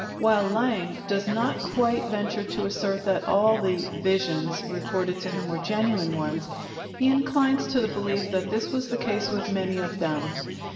While Lang does not quite venture to assert that all the "visions" reported to him were genuine ones, he inclines to the belief that this was the case with many of them.